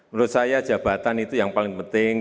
menurut saya jabatan itu yang paling penting